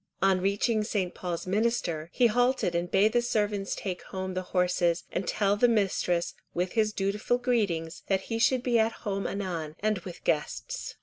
On reaching St. Paul's Minster, he halted and bade the servants take home the horses, and tell the mistress, with his dutiful greetings, that he should be at home anon, and with guests.